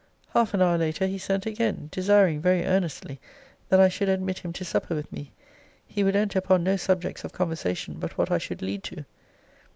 Half an hour later, he sent again; desiring very earnestly, that I should admit him to supper with me. He would enter upon no subjects of conversation but what I should lead to.